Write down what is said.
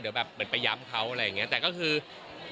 เดี๋ยวแบบไปย้ำเค้าอะไรอย่างเงี้ย